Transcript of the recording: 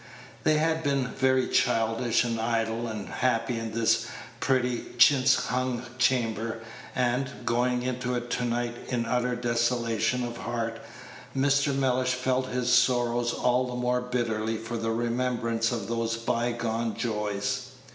They had been very childish, and idle, and happy in this pretty chintz hung chamber; and, going into it to night in utter desolation of heart, Mr. Mellish felt his sorrows all the more bitterly for the remembrance of those by gone joys.